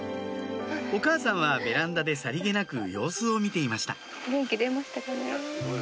お母さんはベランダでさりげなく様子を見ていましたすごい。